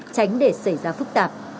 tránh để xảy ra phức tạp